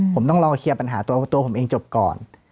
ผมต้องรอเคลียร์ปัญหาตัวผมเองจบก่อน